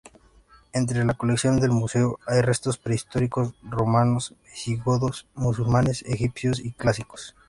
Entre la colección del museo hay restos prehistóricos, romanos, visigodos, musulmanes, egipcios y clásicos.